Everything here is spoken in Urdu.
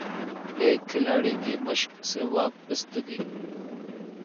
ایک کھلاڑی کی مشق سے وابستگی